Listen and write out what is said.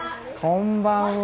こんばんは。